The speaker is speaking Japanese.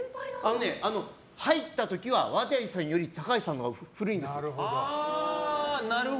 入った時は渡さんより高橋さんのほうが古いんですよ。